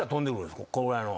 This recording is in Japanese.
このぐらいの。